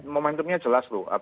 momentumnya jelas loh